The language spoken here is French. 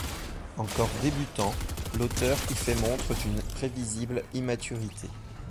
Encore débutant, l'auteur y fait montre d'une prévisible immaturité.